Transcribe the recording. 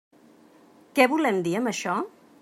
Què volem dir amb això?